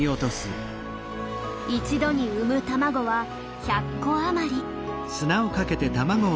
一度に産む卵は１００個余り。